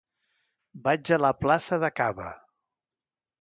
Vaig a la plaça de Caba.